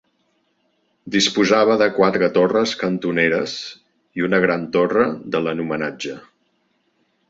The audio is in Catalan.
Disposava de quatre torres cantoneres i una gran torre de l'homenatge.